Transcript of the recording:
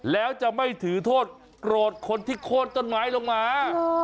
แล้วจะไม่ถือโทษโกรธคนที่โค้นต้นไม้ลงมา